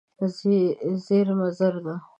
زېرمه زر ده.